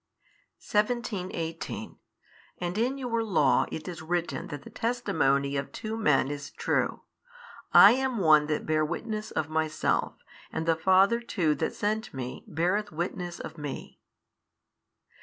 17, 18 And in your Law it is written that the testimony of two men is true: I am one that bear witness of Myself and the Father too That sent Me beareth witness of Me.